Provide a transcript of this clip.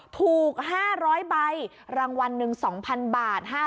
ถูก๕๐๐ใบรางวัลหนึ่ง๒๐๐๐บาท